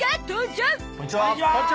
こんにちは！